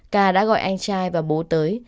k đã gọi anh trai và bố tới